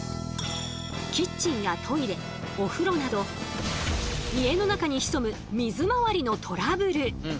キッチンやトイレお風呂など家の中に潜む水まわりのトラブル！